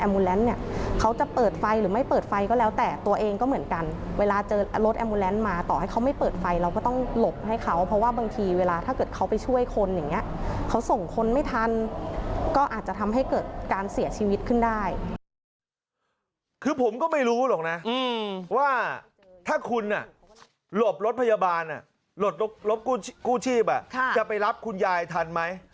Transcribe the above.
ไม่รู้หรอกนะว่าถ้าคุณโรบรถพยาบาลโรบกู้ชีพจะไปรับคุณยายทันไหม